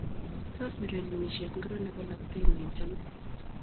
Tos, urerenishet ngiro nebo labatet niichame?